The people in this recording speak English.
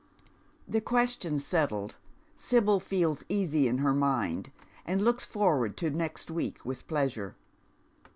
This question settled, Sibyl feels easy in her mind, and looks forward to next week with pleasure.